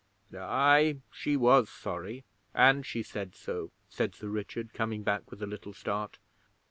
'Aye, she was sorry, and she said so,' said Sir Richard, coming back with a little start.